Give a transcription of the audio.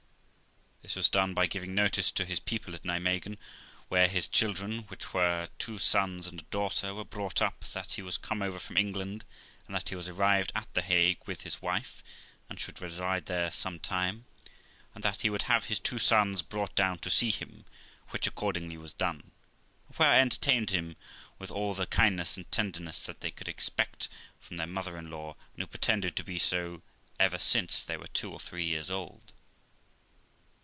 THE LIFE OF ROXANA 349 Th!s was done by giving notice to his people at Nimeguen, where his children (which were two sons and a daughter) were brought up, that he was come over from England, and that he was arrived at the Hague with his wife, and should reside there some time, and that he would have his two sons brought down to see him; which accordingly was done, and where I entertained them with all the kindness and tenderness that they could expect from their mother in law ; and who pretended to be so ever since they were two or three years old.